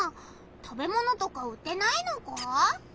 食べ物とか売ってないのか？